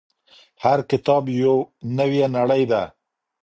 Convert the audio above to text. هر کتاب یو نوې نړۍ ده.